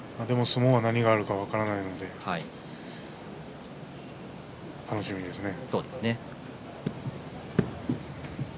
でも相撲は何があるか分からないので楽しみですね。